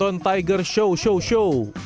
lanjut taygun soy also